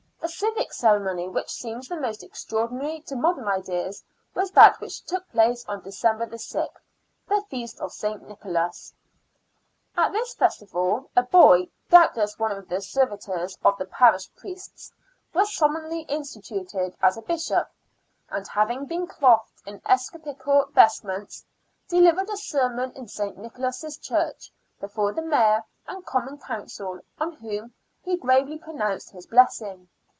The civic ceremony which seems the most extraordinary to modem ideas was that which took place on December CEREMONY OF THE BOY BISHOP. 9 6th, the feast of St. Nicholas. At this festival a boy, doubtless one of the servitors of the parish priests, was solemnly instituted as a bishop, and having been clothed in episcopal vestments, delivered a sermon in St. Nicholas' Church, before the Mayor and Common Council, on whom he gravely pronounced his blessing.